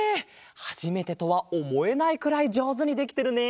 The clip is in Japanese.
はじめてとはおもえないくらいじょうずにできてるね。